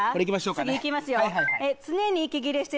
次行きますよ。